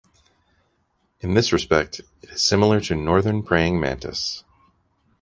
In this respect it is similar to Northern Praying Mantis.